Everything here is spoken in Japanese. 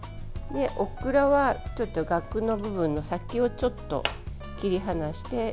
オクラは、がくの部分の先をちょっと切り離して。